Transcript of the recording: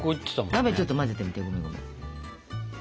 鍋ちょっと混ぜてみてごめんごめん。